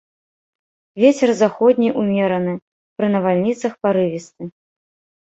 Вецер заходні ўмераны, пры навальніцах парывісты.